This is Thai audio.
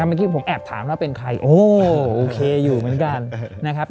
เมื่อกี้ผมแอบถามว่าเป็นใครโอเคอยู่เหมือนกัน